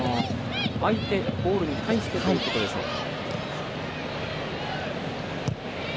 相手、ボールに対してということでしょうか。